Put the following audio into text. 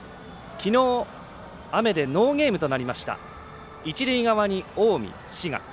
きのう、雨でノーゲームとなりました一塁側に近江、滋賀。